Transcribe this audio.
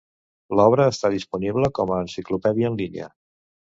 L'obra està disponible com a enciclopèdia en línia.